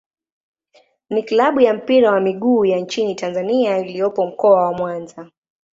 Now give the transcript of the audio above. ni klabu ya mpira wa miguu ya nchini Tanzania iliyopo Mkoa wa Mwanza.